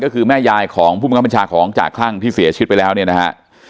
ก็คือแม่ยายของผู้บังคับบัญชาของจากคลั่งที่เสียชีวิตไปแล้วเนี่ยนะฮะ